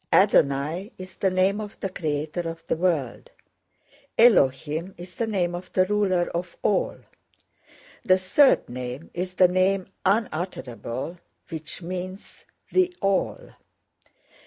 Adonai is the name of the creator of the world. Elohim is the name of the ruler of all. The third name is the name unutterable which means the All.